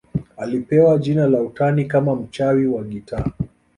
Alipewa jina la utani kama mchawi wa gitaa